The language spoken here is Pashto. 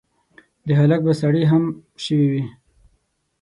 د هلک به سړې هم شوي وي.